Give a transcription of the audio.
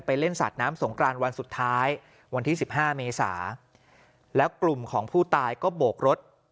เล่นสาดน้ำสงกรานวันสุดท้ายวันที่๑๕เมษาแล้วกลุ่มของผู้ตายก็โบกรถ